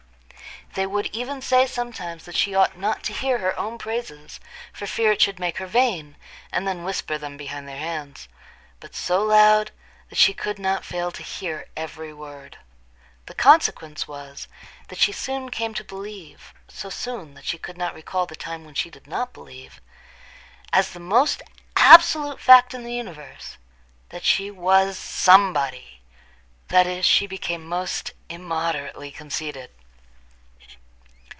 They would even say sometimes that she ought not to hear her own praises for fear it should make her vain, and then whisper them behind their hands, but so loud that she could not fail to hear every word. The consequence was that she soon came to believe—so soon, that she could not recall the time when she did not believe, as the most absolute fact in the universe, that she was Somebody; that is, she became most immoderately conceited.